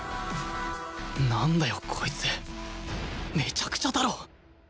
なんだよこいつめちゃくちゃだろ！